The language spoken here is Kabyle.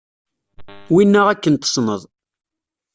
Winna akken tesneḍ.